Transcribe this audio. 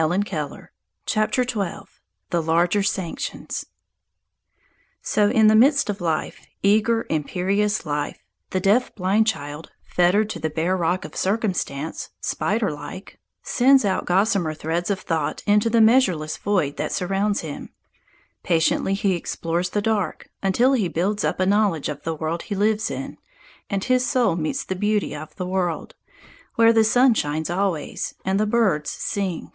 THE LARGER SANCTIONS XII THE LARGER SANCTIONS SO, in the midst of life, eager, imperious life, the deaf blind child, fettered to the bare rock of circumstance, spider like, sends out gossamer threads of thought into the measureless void that surrounds him. Patiently he explores the dark, until he builds up a knowledge of the world he lives in, and his soul meets the beauty of the world, where the sun shines always, and the birds sing.